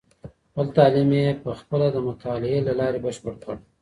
خپل تعلیم یې په خپله د مطالعې له لارې بشپړ کړ.